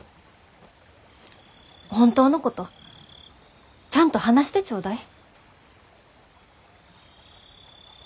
本当のことちゃんと話してちょうだい。